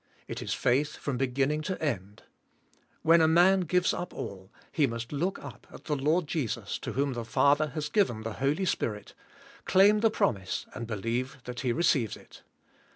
It is faith from beginning to end. When a man gives up all, he must look up at the Lord Jesus to whom the Father has given the Holy Spirit, claim the promise and believe that he receives it.